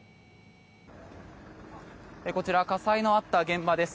こちら火災のあった現場です。